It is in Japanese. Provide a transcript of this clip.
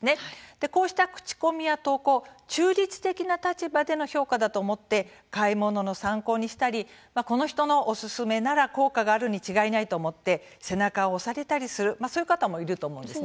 こうした口コミや投稿中立的な立場での評価だと思って買い物の参考にしたりこの人のおすすめなら効果があるに違いないと思って背中を押されたりするそういう方もいると思います。